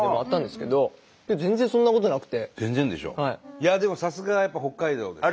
いやでもさすがやっぱ北海道ですね。